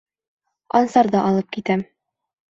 Ансарҙы алып китәм.